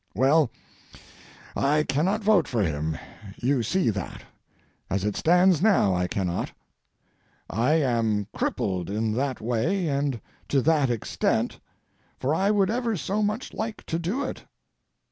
Well, I cannot vote for him. You see that. As it stands now, I cannot. I am crippled in that way and to that extent, for I would ever so much like to do it.